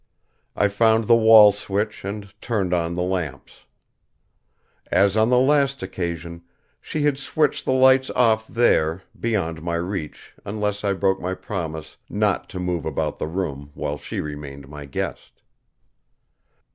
I found the wall switch and turned on the lamps. As on the last occasion, she had switched the lights off there, beyond my reach unless I broke my promise not to move about the room while she remained my guest.